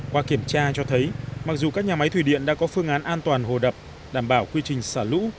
qua kiểm tra cho thấy mặc dù các nhà máy thủy điện đã có phương án an toàn hồ đập đảm bảo quy trình xả lũ